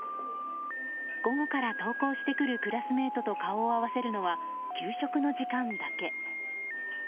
午後から登校してくるクラスメートと顔を合わせるのは給食の時間だけ。